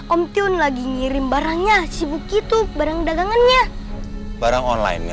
om tion lagi ngirim barangnya sibuk gitu barang dagangannya barang online